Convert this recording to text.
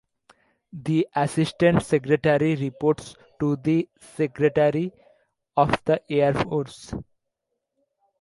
The assistant secretary reports to the secretary of the Air Force.